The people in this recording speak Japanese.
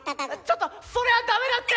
ちょっとそれはダメだって！